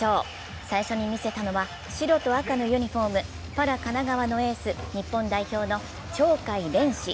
最初に見せたのは、白と赤のユニフォーム、パラ神奈川のエース・日本代表の鳥海連志。